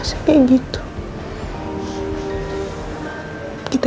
nggak ada di jakarta